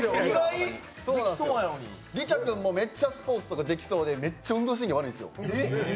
リチャ君もめっちゃできそうでめっちゃ運動神経、悪いんですよ。